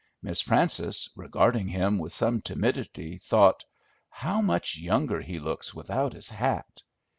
Miss Frances, regarding him with some timidity, thought: How much younger he looks without his hat!